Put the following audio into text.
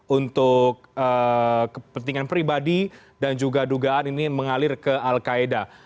untuk kepentingan pribadi dan juga dugaan ini mengalir ke al qaeda